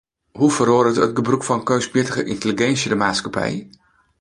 Hoe feroaret it gebrûk fan keunstmjittige yntelliginsje de maatskippij?